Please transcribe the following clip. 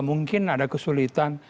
mungkin ada kesulitan